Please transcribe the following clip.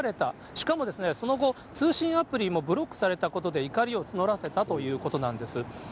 しかもその後、通信アプリもブロックされたことで怒りを募らせたということなんです。